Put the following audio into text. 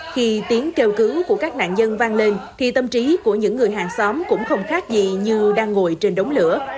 khi tiếng kêu cứu của các nạn nhân vang lên thì tâm trí của những người hàng xóm cũng không khác gì như đang ngồi trên đống lửa